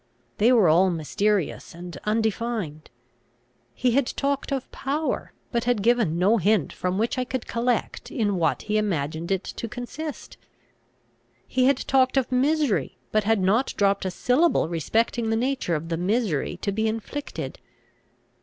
They were all mysterious and undefined. He had talked of power, but had given no hint from which I could collect in what he imagined it to consist. He had talked of misery, but had not dropped a syllable respecting the nature of the misery to be inflicted.